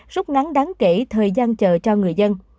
rút ngắn đáng kể thời gian chờ cho người dân